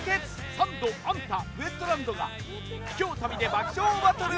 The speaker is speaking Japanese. サンドアンタウエストランドが秘境旅で爆笑バトル！